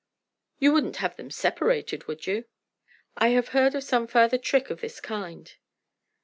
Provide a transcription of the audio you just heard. "You wouldn't have them separated, would you?" "I have heard of some farther trick of this kind."